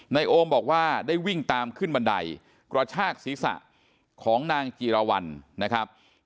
โอมบอกว่าได้วิ่งตามขึ้นบันไดกระชากศีรษะของนางจีรวรรณนะครับ